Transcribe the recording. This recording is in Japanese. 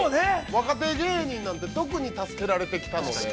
若手芸人特に助けられてきたので。